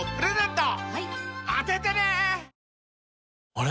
あれ？